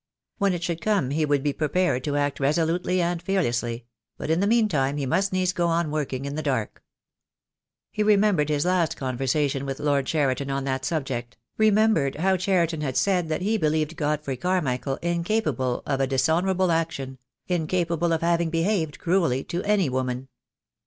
When it should come he would be prepared to act resolutely and fearlessly; but in the meantime he must needs go on working in the dark. He remembered his last conversation with Lord Cheri ton on that subject — remembered how Cheriton had said that he believed Godfrey Carmichael incapable of a dis honourable action — incapable of having behaved cruelly to any woman.